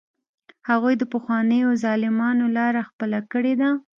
هغوی د پخوانیو ظالمانو لاره خپله کړې ده.